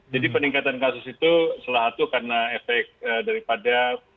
jadi peningkatan kasus itu salah satu karena efek daripada